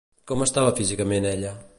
Com estava físicament ella?